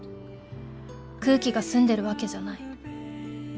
空気が澄んでるわけじゃない。